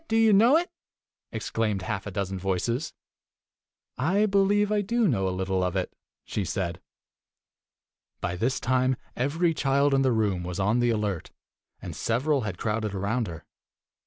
Do you know^it?" ex claimed half a dozen voices. " I believe I do know a little of it," she said. By this time, every child in the room was on the alert, and several had crowded round her.